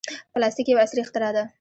پلاستيک یو عصري اختراع ده.